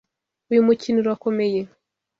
Uyu mukino urakomeye.